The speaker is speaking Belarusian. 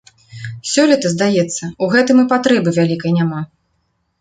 Сёлета, здаецца, у гэтым і патрэбы вялікай няма.